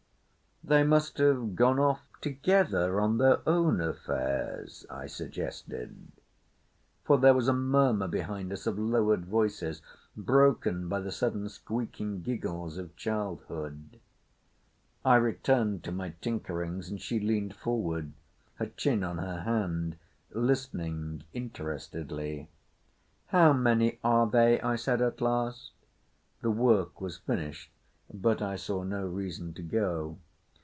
"They must have gone off together on their own affairs," I suggested, for there was a murmur behind us of lowered voices broken by the sudden squeaking giggles of childhood. I returned to my tinkerings and she leaned forward, her chin on her hand, listening interestedly. "How many are they?" I said at last. The work was finished, but I saw no reason to go.